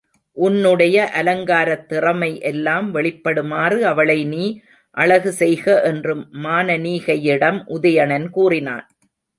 உன்னுடைய அலங்காரத் திறமை எல்லாம் வெளிப்படுமாறு அவளை நீ அழகு செய்க என்று மானனீகையிடம் உதயணன் கூறினான்.